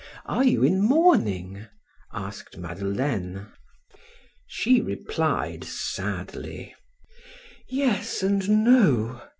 "Are you in mourning?" asked, Madeleine. She replied sadly: "Yes and no.